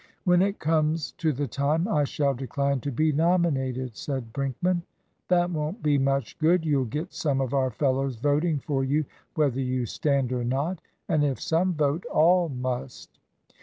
"When it comes to the time, I shall decline to be nominated," said Brinkman. "That won't be much good. You'll get some of our fellows voting for you whether you stand or not. And if some vote, all must."